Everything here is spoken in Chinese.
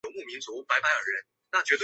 仁井田站的铁路车站。